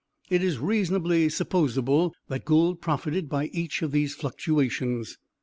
It is reasonably supposable that Gould profited by each of these fluctuations.